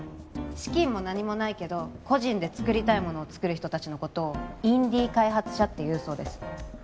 資金も何もないけど個人で作りたいものを作る人達のことをインディー開発者っていうそうです